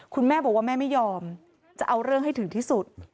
คุณแม่บอกว่าแม่ไม่ยอมจะเอาเรื่องให้ถึงที่สุด